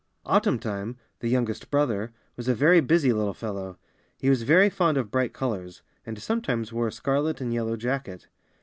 Autumn time, the youngest brother, was a very busy little fellow. He was very fond of bright colors, and sometimes wore a scarlet and yellow jacket.